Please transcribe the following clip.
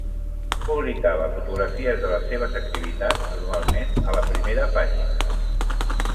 Publicava fotografies de les seves activitats, normalment a la primera pàgina.